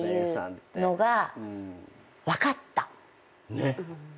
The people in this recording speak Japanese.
ねっ。